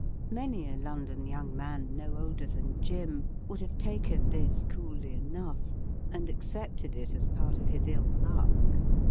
Many a London young man no older than Jim would have taken this coolly JIM CONRAD'S FIND S enough, and accepted it as part of his ill luck.